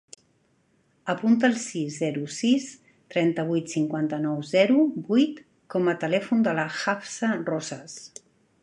Apunta el sis, zero, sis, trenta-vuit, cinquanta-nou, zero, vuit com a telèfon de la Hafsa Rozas.